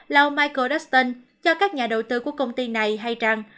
là ông michael dustin cho các nhà đầu tư của công ty này hay rằng